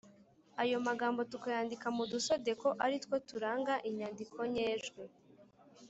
ayo magambo tukayandika mudusodeko ari two turanga inyandiko nyejwi,